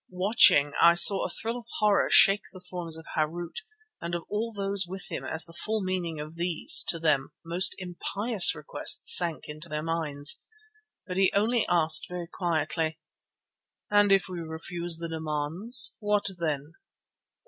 Watching, I saw a thrill of horror shake the forms of Harût and of all those with him as the full meaning of these, to them, most impious requests sank into their minds. But he only asked very quietly: "And if we refuse the demands, what then?"